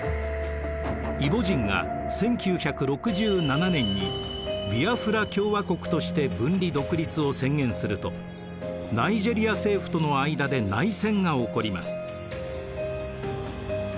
イボ人が１９６７年にビアフラ共和国として分離独立を宣言するとナイジェリア政府との間で内戦が起こります。